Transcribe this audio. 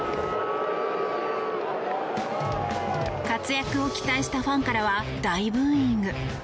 活躍を期待したファンからは大ブーイング。